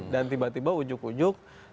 dan tiba tiba ujuk ujuk